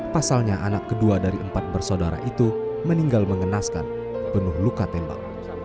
pasalnya anak kedua dari empat bersaudara itu meninggal mengenaskan penuh luka tembak